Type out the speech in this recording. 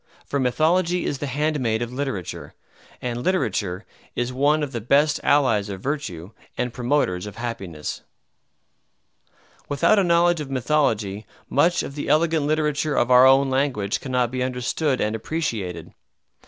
For Mythology is the handmaid of literature; and literature is one of the best allies of virtue and promoters of happiness. Without a knowledge of mythology much of the elegant literature of our own language cannot be understood and appreciated.